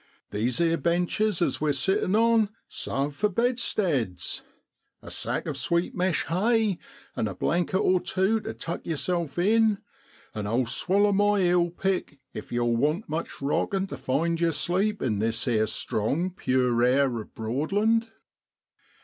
These 'ere benches as we're sittin' on sarve for bedsteads ; a sack of sweet ' mesh ' hay an' a blanket or tew to tuck yerself in, and I'll s waller my eel pick if yow'll want much rockin' to find yer sleep in this 'ere strong, pure air of Broadland.'